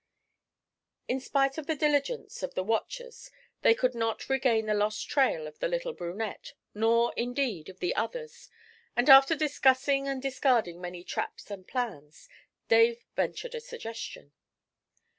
In spite of the diligence of the watchers they could not regain the lost trail of the little brunette, nor, indeed, of the others; and after discussing and discarding many traps and plans, Dave ventured a suggestion.